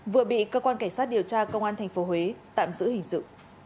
vừa bị cơ quan cảnh sát điều tra công an thành phố huế tạm giữ hình sự